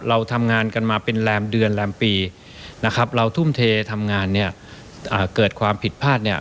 เราทำงานกันมาเป็นแรมเดือนแรมปีนะครับเราทุ่มเททำงานเนี่ยเกิดความผิดพลาดเนี่ย